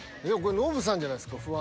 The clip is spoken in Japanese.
ノブさんじゃないですか？